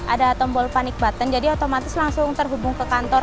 ada tombol panik button jadi otomatis langsung terhubung ke kantor